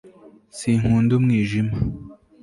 sinkunda umwijima